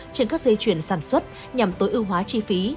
trên các dây chuyển sản xuất nhằm tối ưu hóa chi phí